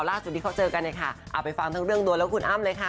ล่าสุดที่เขาเจอกันเนี่ยค่ะเอาไปฟังทั้งเรื่องดวงและคุณอ้ำเลยค่ะ